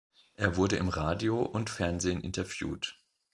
Er wurde im Radio und Fernsehen interviewt.